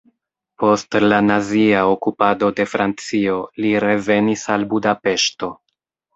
Post la nazia okupado de Francio li revenis al Budapeŝto.